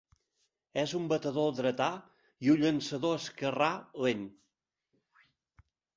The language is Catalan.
És un batedor dretà i un llançador esquerrà lent.